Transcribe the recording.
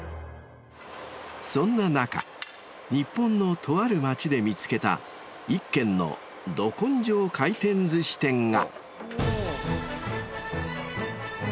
そんな中日本のとある街で見つけた１軒のど根性回転寿司店が。